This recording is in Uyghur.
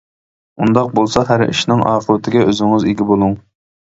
ئۇنداق بولسا ھەر ئىشنىڭ ئاقىۋىتىگە ئۆزىڭىز ئىگە بولۇڭ.